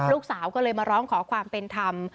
ลูกสาวก็เลยมาร้องขอความเป็นธรรม